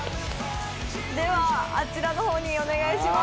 ではあちらの方にお願いします。